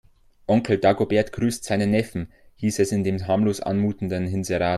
Onkel Dagobert grüßt seinen Neffen, hieß es in dem harmlos anmutenden Inserat.